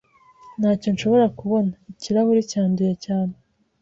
Ntacyo nshobora kubona. Ikirahuri cyanduye cyane.